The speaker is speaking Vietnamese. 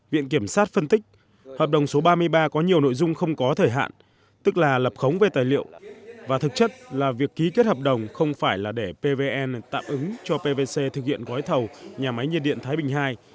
viện kiểm sát phân tích hợp đồng số ba mươi ba có nhiều nội dung không có thời hạn tức là lập khống về tài liệu và thực chất là việc ký kết hợp đồng không phải là để pvn tạm ứng cho pvc thực hiện gói thầu nhà máy nhiệt điện thái bình ii